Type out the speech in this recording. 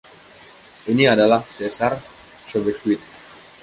Ini adalah Sesar Cobequid.